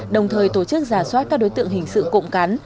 đồng thời tổ chức giả soát các đối tượng hình sự cộng cán